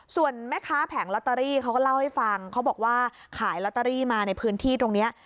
ส่วนแม่ค้าแผงลอตเตอรี่เขาก็เล่าให้ฟังเขาบอกว่าขายลอตเตอรี่มาในพื้นที่ตรงนี้